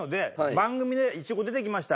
番組でイチゴ出てきました。